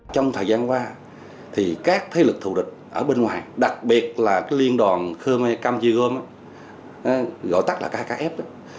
trong thời gian qua các thế lực thù địch ở bên ngoài đặc biệt là liên đoàn khô nê cam chi gom gọi tắt là kkf